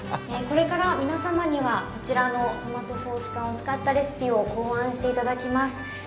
これから皆様にはこちらのトマトソース缶を使ったレシピを考案していただきます